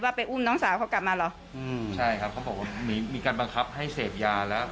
ไปอุ้มน้องสาวเขากลับมาเหรออืมใช่ครับเขาบอกว่ามีมีการบังคับให้เสพยาแล้ว